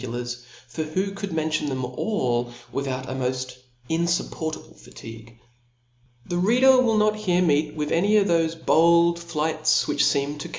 tkulars, for who could mention them all with^ out;a moA: infuppprtable fatigue ?. The reader will not here meet with any of thofe bold flights^ which feem to cha?